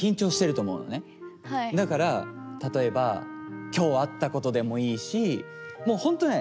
だからたとえばきょうあったことでもいいし。